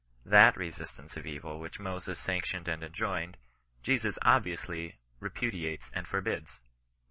Thai resistance of evil which Moses sanctioned and enjoined, Jesus obvi ously repudiates and forbids.